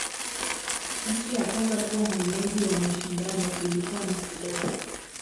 nchi ya kwanza kuwa mwenyeji wa mashindano ilikua ni sudan